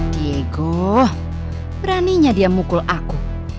diego beraninya dia mukul aku